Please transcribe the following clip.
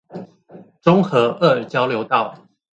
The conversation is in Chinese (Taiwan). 中和二交流道